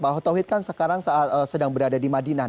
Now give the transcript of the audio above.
pak tauhid kan sekarang sedang berada di medina